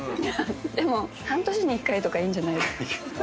でも半年に１回とかいいんじゃないですか？